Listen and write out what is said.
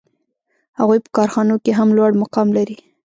هغوی په کارخانو کې هم لوړ مقام لري